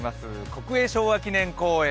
国営昭和記念公園。